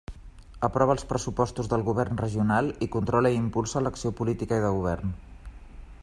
Aprova els pressupostos del govern regional i controla i impulsa l'acció política i de Govern.